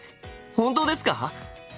本当ですか！？